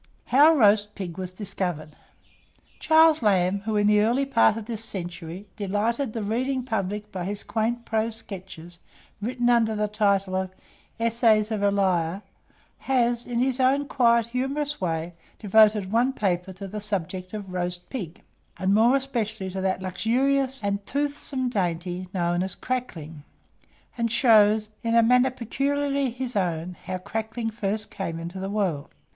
HOW ROAST PIG WAS DISCOVERED. Charles Lamb, who, in the early part of this century, delighted the reading public by his quaint prose sketches, written under the title of "Essays of Elia," has, in his own quiet humorous way, devoted one paper to the subject of Roast Pig, and more especially to that luxurious and toothsome dainty known as "CRACKLING;" and shows, in a manner peculiarly his own, _how crackling first came into the world.